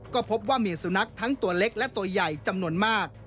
ก็พบว่ามีสุนัขทั้งตัวเล็กและตัวใหญ่จำนวนมาก